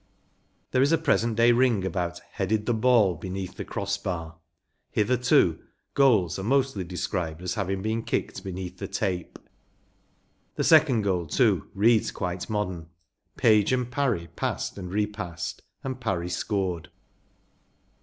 There is a present day ring about “ headed the ball beneath the cross bar.‚ÄĚ Hitherto goals are mostly described as having been kicked beneath the tape. The second goal, too, reads quite modern. “ Page and Parry passed and repassed and Parry scored.